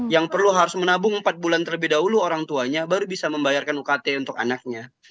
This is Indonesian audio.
yang perlu harus menabung empat bulan terlebih dahulu orang tuanya baru bisa membayarkan ukt untuk anaknya